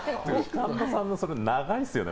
神田さんのそれ、長いですね